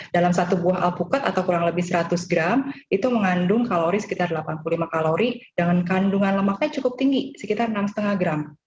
dalam satu buah alpukat atau kurang lebih seratus gram itu mengandung kalori sekitar delapan puluh lima kalori dengan kandungan lemaknya cukup tinggi sekitar enam lima gram